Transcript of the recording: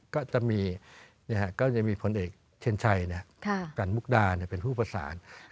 ก็จะมีผลเอกเทียนชัยจันทร์มุกดาเป็นผู้ประสาน